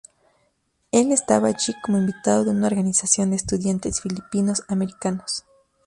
El estaba allí como invitado de una organización de estudiantes filipinos americanos.